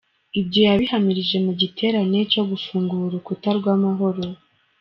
Ibyo yabihamirije mu giterane cyo gufungura urukuta rw'amahoro.